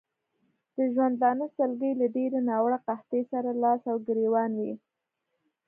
د ژوندانه سلګۍ له ډېرې ناوړه قحطۍ سره لاس او ګرېوان وې.